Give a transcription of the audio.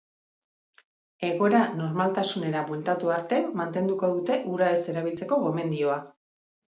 Egoera normaltasunera bueltatu arte mantenduko dute ura ez erabiltzeko gomendioa.